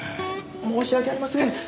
申し訳ありません！